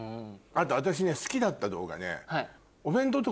あと私好きだった動画ね。